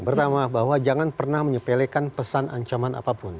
pertama bahwa jangan pernah menyepelekan pesan ancaman apapun